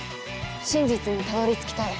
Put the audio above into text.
真実にたどり着きたい。